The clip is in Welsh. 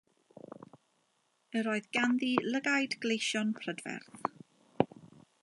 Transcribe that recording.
Yr oedd ganddi lygaid gleision prydferth.